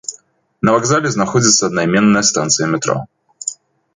На вакзале знаходзіцца аднайменная станцыя метро.